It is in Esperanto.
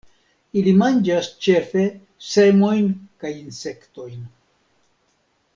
Ili manĝas ĉefe semojn kaj insektojn.